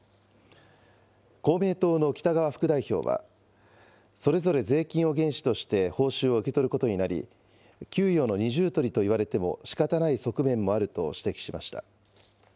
公明党の北側副代表は、それぞれ税金を原資として報酬を受け取ることになり、給与の二重取りといわれても仕方ない側面もあると指摘しました。